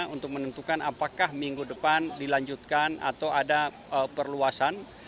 untuk menentukan apakah minggu depan dilanjutkan atau ada perluasan